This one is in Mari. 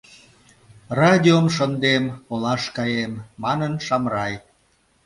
— Радиом шындем — олаш каем, — манын Шамрай.